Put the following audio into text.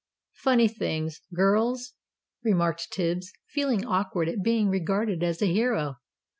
"Funny things girls?" remarked Tibbs, feeling awkward at being regarded as a hero.